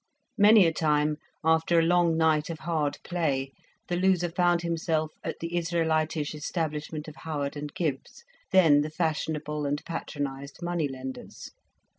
Many a time, after a long night of hard play, the loser found himself at the Israelitish establishment of Howard and Gibbs, then the fashionable and patronized money lenders.